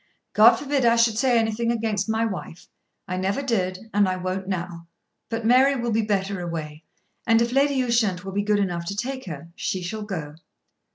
"God forbid I should say anything against my wife. I never did, and I won't now. But Mary will be better away; and if Lady Ushant will be good enough to take her, she shall go."